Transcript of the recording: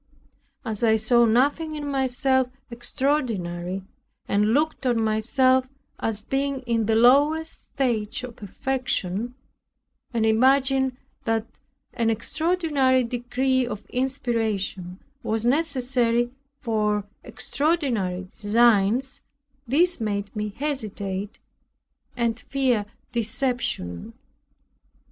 As I saw nothing in myself extraordinary, and looked on myself as being in the lowest stage of perfection, and imagined that an extraordinary degree of inspiration was necessary for extraordinary designs, this made me hesitate, and fear deception.